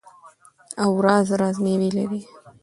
او راز راز میوې لري.